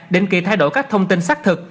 định kỳ thay đổi các thông tin xác thực